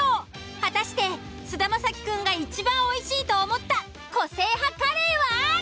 果たして菅田将暉くんがいちばんおいしいと思った個性派カレーは？